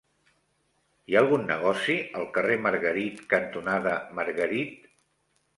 Hi ha algun negoci al carrer Margarit cantonada Margarit?